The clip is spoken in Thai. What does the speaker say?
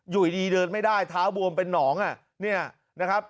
อยู่ดีเดินไม่ได้ท้าวบวมเป็นน้องนี่นะครับ